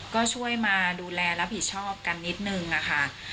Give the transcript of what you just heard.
ก็ช่วยมาดูแลรับผิดชอบกันนิดนึงค่ะ